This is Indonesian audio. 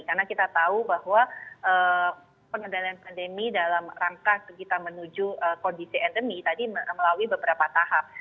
karena kita tahu bahwa pengendalian pandemi dalam rangka kita menuju kondisi endemis tadi melalui beberapa tahap